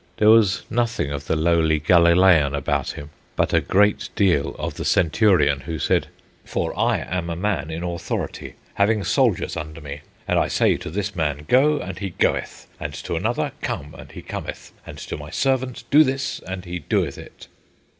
There was nothing of the lowly Galilean about him, but a great deal of the centurion who said: "For I am a man in authority, having soldiers under me; and I say to this man, Go, and he goeth; and to another, Come, and he cometh; and to my servant, Do this, and he doeth it."